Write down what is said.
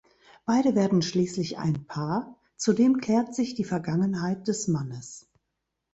Beide werden schließlich ein Paar; zudem klärt sich die Vergangenheit des Mannes.